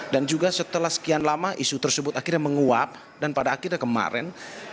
dan juga setelah sekian lama isu tersebut akhirnya menguap dan pada akhirnya kemarin